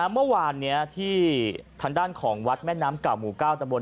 เมื่อวานนี้ที่ทางด้านของวัดแม่น้ำเก่าหมู่๙ตะบน